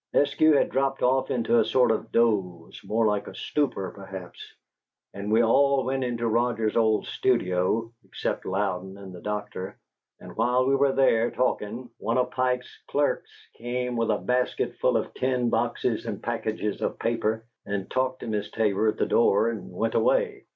Eskew had dropped off into a sort of doze more like a stupor, perhaps, and we all went into Roger's old studio, except Louden and the doctor, and while we were there, talkin', one of Pike's clerks came with a basket full of tin boxes and packages of papers and talked to Miss Tabor at the door and went away.